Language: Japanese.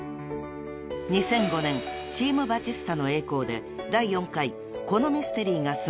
［２００５年『チーム・バチスタの栄光』で第４回『このミステリーがすごい！』